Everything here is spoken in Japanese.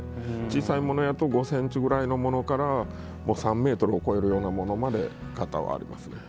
小さいものやと５センチぐらいのものから３メートルを超えるようなものまで型はありますね。